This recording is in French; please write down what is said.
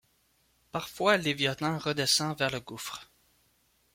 Parfois Léviathan redescend vers le gouffre